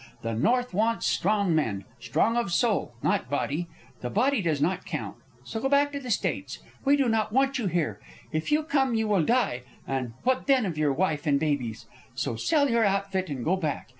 The north wants strong men, strong of soul, not body. The body does not count. So go back to the States. We do not want you here. If you come you will die, and what then of| your wife and babies? So sell out your outfit and go back.